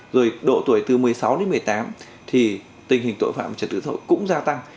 rồi độ tuổi từ một mươi sáu đến một mươi tám thì tình hình tội phạm trật tự xã hội cũng gia tăng